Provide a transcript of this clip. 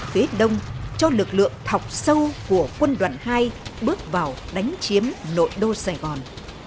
phía đông cho lực lượng thọc sâu của quân đoàn hai bước vào đánh chiếm nội đô sài gòn